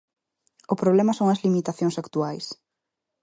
O problema son as limitacións actuais.